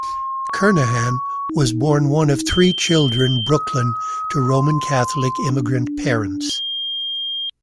Kernaghan was born one of three children Brooklyn to Roman Catholic immigrant parents.